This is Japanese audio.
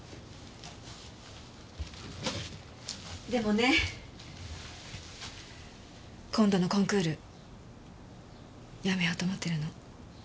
でもね今度のコンクールやめようと思ってるの。